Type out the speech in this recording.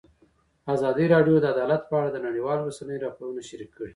ازادي راډیو د عدالت په اړه د نړیوالو رسنیو راپورونه شریک کړي.